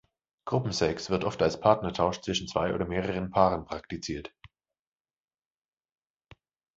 Gruppensex wird oft als Partnertausch zwischen zwei oder mehreren Paaren praktiziert.